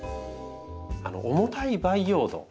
重たい培養土